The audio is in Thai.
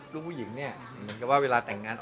ก็ค่อยเจอกันต่อนั้น